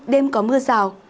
đêm có mưa rào